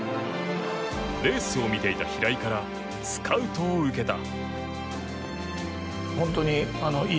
レースを見ていた平井からスカウトを受けた。